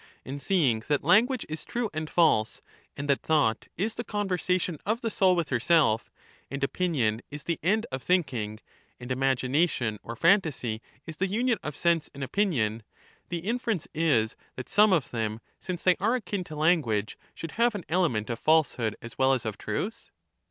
And seeing that language is true and false, and that thought is the conversation of the soul with herself, and opinion is the end of thinking, and imagination or phantasy is the union of sense and opinion, the inference is that some of them, since they are akin to language, should have an element of falsehood as well as of truth